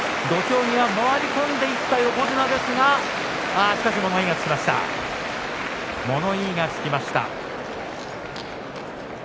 土俵際回り込んでいった横綱ですがやはり物言いがつきました。